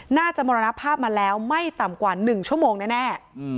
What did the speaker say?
หน้าจำลวนภาพมาแล้วไม่ต่ำกว่า๑ชั่วโมงแน่